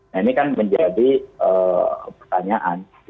nah ini kan menjadi pertanyaan